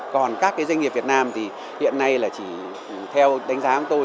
còn các doanh nghiệp việt nam thì hiện nay là chỉ theo đánh giá của tôi